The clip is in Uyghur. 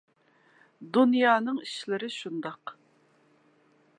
دۇنيانىڭ ئىشلىرى شۇنداق.